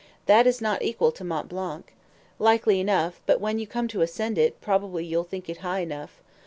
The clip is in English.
"That is not equal to Mont Blanc." "Likely enough, but when you come to ascend it, probably you'll think it high enough."